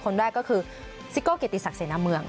คนแรกก็คือซิโก้เกียรติศักดิเสนาเมือง